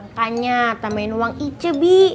makanya tambahin uang ice bi